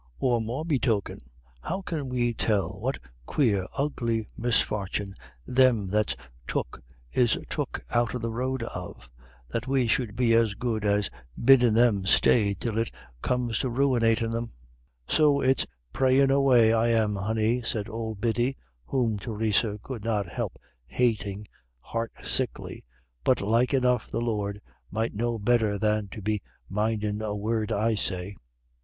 Or, morebetoken, how can we tell what quare ugly misfortin' thim that's took is took out of the road of, that we should be as good as biddin' thim stay till it comes to ruinate them? So it's prayin' away I am, honey," said old Biddy, whom Theresa could not help hating heart sickly. "But like enough the Lord might know better than to be mindin' a word I say."